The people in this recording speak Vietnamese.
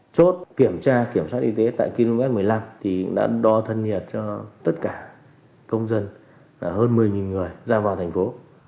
chốt kiểm tra kiểm soát y tế tại km một mươi năm đã đo thân nhiệt cho tất cả công dân hơn một mươi người ra vào thành phố